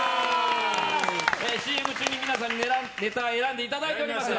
ＣＭ中に皆さんにネタ選んでいただいております。